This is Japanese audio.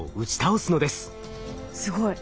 すごい。